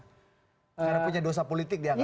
karena punya dosa politik dianggap